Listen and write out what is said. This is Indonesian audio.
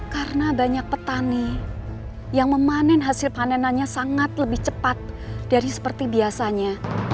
karena banyak petani yang memanen hasil panenannya sangat lebih cepat dari seperti biasanya